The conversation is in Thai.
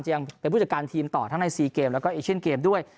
ยังเป็นผู้จัดการทีมต่อทั้งใน๔เกมแล้วก็เอเชียนเกมด้วย